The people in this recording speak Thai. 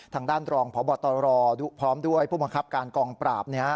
ทางด้านรองพบตรพร้อมด้วยผู้บังคับการกองปราบ